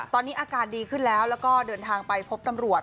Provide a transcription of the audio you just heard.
ตอนนี้อาการดีขึ้นแล้วแล้วก็เดินทางไปพบตำรวจ